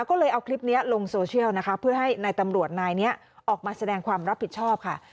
ก็เลยเอาคลิปนี้ลงโซเชียลนะคะเพื่อให้นายตำรวจนายนี้ออกมาแสดงความรับผิดชอบค่ะ